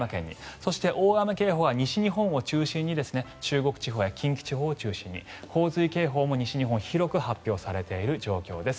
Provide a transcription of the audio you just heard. そして、大雨警報が西日本を中心に中国地方や近畿地方を中心に洪水警報も西日本広く発表されている状況です。